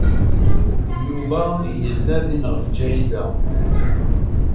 Yuba yella din ɣef Ǧahida.